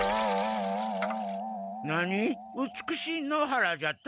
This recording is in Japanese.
何美しい野原じゃと？